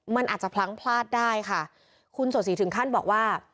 มันอาจจะพลั้งพลาดได้ค่ะคุณโสดศรีถึงขั้นบอกว่า